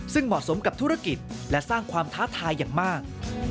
ซึ่งเหมาะสมกับธุรกิจและสร้างความท้าทายอย่างมาก